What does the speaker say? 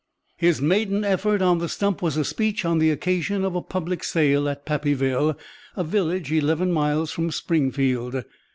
"His maiden effort on the stump was a speech on the occasion of a public sale at Pappyville, a village eleven miles from Springfield.